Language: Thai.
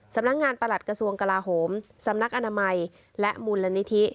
ประหลัดกระทรวงกลาโหมสำนักอนามัยและมูลนิธิ